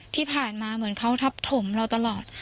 ที่ผ่านมาเหมือนเขาทับถมเราตลอด